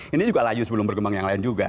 ini juga layu sebelum bergembang yang lain juga